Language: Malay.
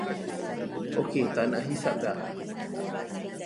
Okey taknak hisap dah.